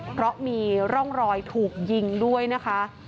เพราะมีร่องรอยถูกยิงด้วยนะคะ